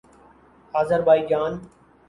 Azerbaijan